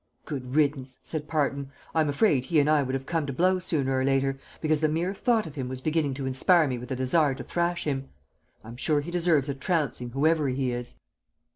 "Good riddance," said Parton. "I am afraid he and I would have come to blows sooner or later, because the mere thought of him was beginning to inspire me with a desire to thrash him. I'm sure he deserves a trouncing, whoever he is."